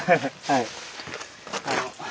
はい。